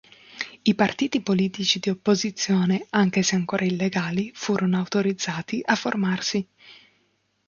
I partiti politici di opposizione, anche se ancora illegali, furono autorizzati a formarsi.